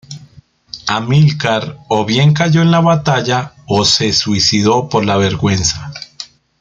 Amilcar o bien cayó en la batalla o se suicidó por la vergüenza.